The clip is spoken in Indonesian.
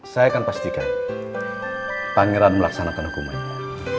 saya akan pastikan pangeran melaksanakan hukumannya